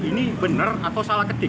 ini benar atau salah ketik